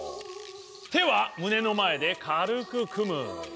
手は胸の前で軽く組む。